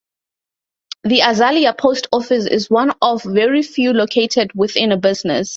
The Azalia post office is one of very few located within a business.